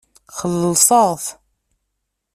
Xellṣeɣ-t.